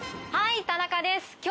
はい田中です。